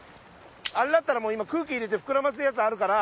れだったらもう今空気入れて膨らませるやつあるから。